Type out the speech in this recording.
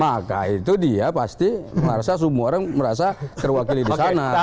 maka itu dia pasti merasa semua orang merasa terwakili di sana